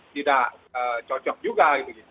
tidak cocok juga